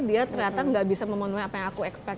dia ternyata nggak bisa memenuhi apa yang aku expect